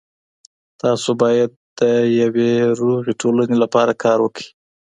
تاسو باید د یوې روغې ټولنې لپاره کار وکړئ.